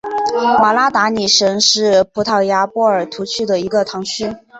瓦拉达里什是葡萄牙波尔图区的一个堂区。